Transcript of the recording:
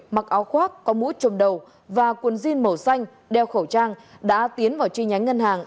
mặc áo khoác có mũi trùm đầu và quần jean màu xanh đeo khẩu trang đã tiến vào truy nhánh ngân hàng